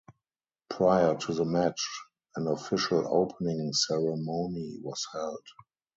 Prior to the match an official opening ceremony was held.